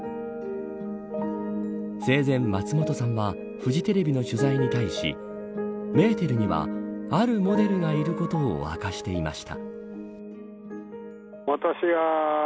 生前、松本さんはフジテレビの取材に対しメーテルには、あるモデルがいることを明かしていました。